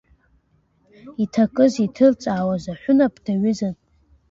Иҭакыз иҭырҵаауаз аҳәынаԥ даҩызан.